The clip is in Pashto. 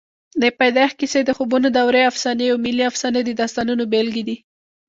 د پیدایښت کیسې، د خوبونو دورې افسانې او ملي افسانې د داستانونو بېلګې دي.